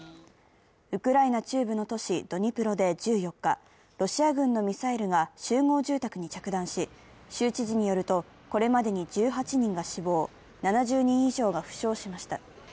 ウクライナ中部の都市、ドニプロで１４日、ロシア軍のミサイルが集合住宅に着弾し、州知事によると、これまでに１８人が死亡、７０人以上が負傷しました。